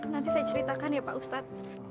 nanti saya ceritakan ya pak ustadz